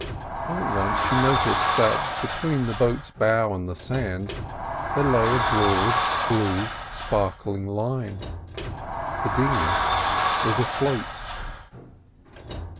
All at once she noticed that between the boat's bow and the sand there lay a broad, blue, sparkling line. The dinghy was afloat.